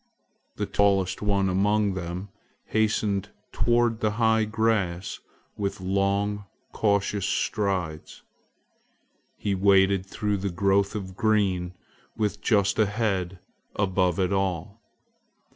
The tallest one among them hastened toward the high grass with long, cautious strides. He waded through the growth of green with just a head above it all.